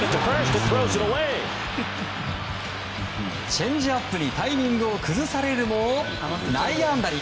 チェンジアップにタイミングを崩されるも内野安打に。